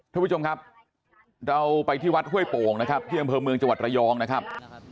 ท่านผู้ชมครับเราไปที่วัดห้วยโป่งนะครับที่อำเภอเมืองจังหวัดระยองนะครับ